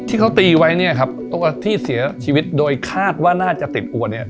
ที่เขาตีไว้เนี่ยครับที่เสียชีวิตโดยคาดว่าน่าจะติดอวนเนี่ย